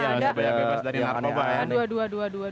iya lah saya bebas dari narkoba ya